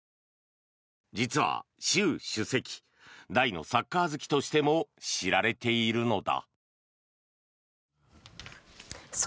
実は習主席大のサッカー好きとしても知られているのだ。